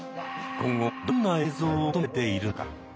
今後どんな映像を求めているのか。